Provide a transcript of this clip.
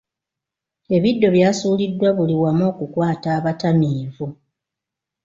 Ebiddo by’asuuliddwa buli wamu okukwata abatamiivu.